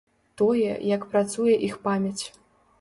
Тое, як працуе іх памяць.